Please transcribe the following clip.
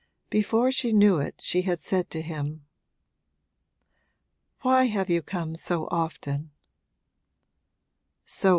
Before she knew it she had said to him, 'Why have you come so often?'